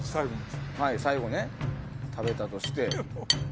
はい最後ね食べたとして。